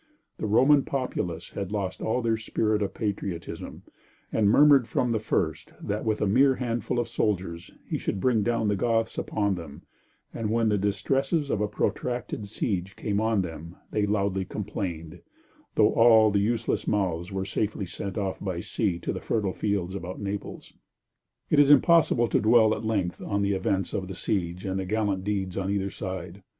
The Roman populace had lost all their spirit of patriotism, and murmured from the first that with a mere handful of soldiers, he should bring down the Goths upon them, and when the distresses of a protracted siege came on them, they loudly complained, though all the useless mouths were safely sent off by sea to the fertile fields about Naples. It is impossible to dwell at length on the events of the siege and the gallant deeds on either side.